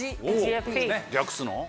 略すの？